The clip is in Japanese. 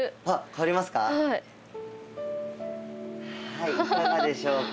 はいいかがでしょうか？